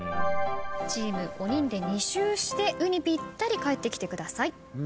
チーム５人で２周して「う」にぴったり帰ってきてください。